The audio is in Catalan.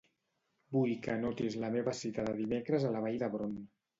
Vull que anotis la meva cita de dimecres a la Vall d'Hebron.